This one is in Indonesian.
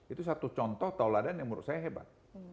itu satu contoh tauladan yang menurut saya hebat